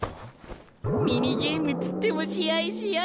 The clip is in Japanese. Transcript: ミニゲームっつっても試合試合。